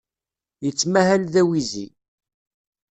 Yettmahal d awizi.